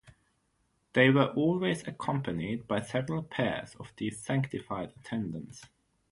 They were always accompanied by several pairs of these sanctified attendants.